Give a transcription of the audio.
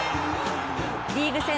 リーグ戦